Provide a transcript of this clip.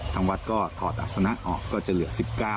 ทางวัดก็ถอดอัศนะออกก็จะเหลือ๑๙